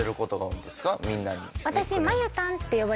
私。